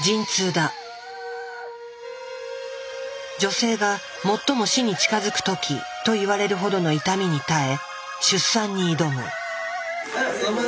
女性が最も死に近づく時と言われるほどの痛みに耐え出産に挑む。